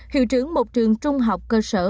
hiệu trưởng một trường trung học cơ sở